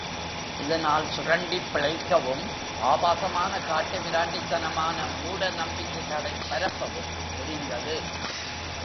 இதனால் சுரண்டிப் பிழைக்கவும், ஆபாசமான காட்டுமிராண்டித்தனமான மூட நம்பிக்கைகளைப் பரப்பவும் முடிந்தது.